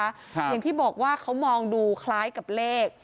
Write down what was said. อย่างที่บอกว่าเขามองดูคล้ายกับเลข